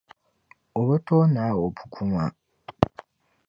O be tooi naai o buku maa.